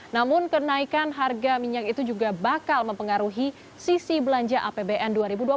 namun kenaikan harga minyak itu juga bakal mempengaruhi sisi belanja apbn dua ribu dua puluh satu